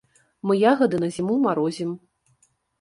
Мы ягады на зіму марозім.